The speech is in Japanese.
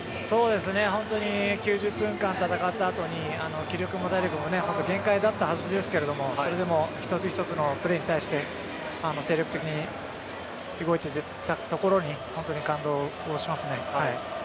本当に９０分間戦った後に気力も体力も限界だったはずですがそれでも一つ一つのプレーに対して精力的に動いていたところに本当に感動します。